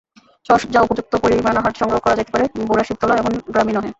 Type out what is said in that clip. সহসা উপযুক্ত পরিমাণ আহার্য সংগ্রহ করা যাইতে পারে বুড়াশিবতলা এমন গ্রামই নহে।